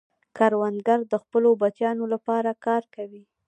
کروندګر د خپلو بچیانو لپاره کار کوي